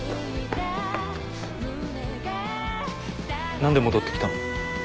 何で戻ってきたの？